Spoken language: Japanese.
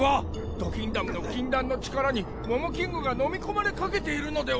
ドキンダムの禁断の力にモモキングが飲み込まれかけているのでは？